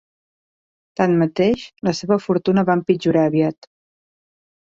Tanmateix, la seva fortuna va empitjorar aviat.